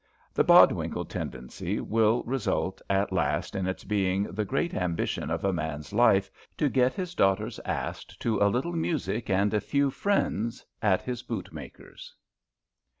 The Bodwinkle tendency will result at last in its being the great ambition of a man's life to get his daughters asked to "a little music and a few friends" at his bootmaker's.